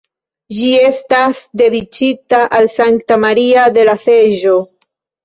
Ĝi estas dediĉita al Sankta Maria de la Seĝo.